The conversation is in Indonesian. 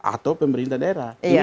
atau pemerintah daerah